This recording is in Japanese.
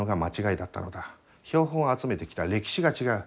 標本を集めてきた歴史が違う。